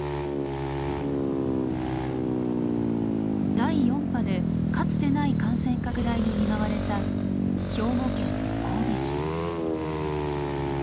第４波でかつてない感染拡大に見舞われた兵庫県神戸市。